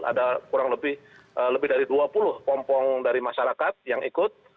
ada kurang lebih dari dua puluh kompong dari masyarakat yang ikut